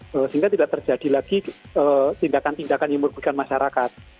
sehingga tidak terjadi lagi tindakan tindakan yang merugikan masyarakat